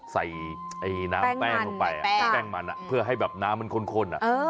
ใส่น้ำแป้งลึงไปไหนให้แป้งมันตาเพื่อให้แบบน้ำมันขนคล้นตุ๊ง